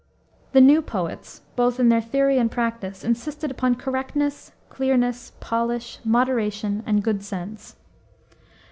The new poets, both in their theory and practice, insisted upon correctness, clearness, polish, moderation, and good sense.